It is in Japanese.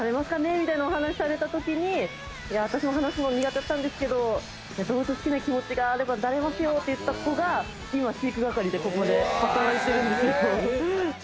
みたいな話をされた時に私も話すの苦手だったんですけど、動物を好きな気持ちがあればなれますよって言った子が今、飼育係でここで働いてる。